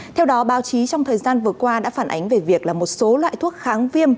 theo đó báo chí trong thời gian vừa qua đã phản ánh về việc là một số loại thuốc kháng viêm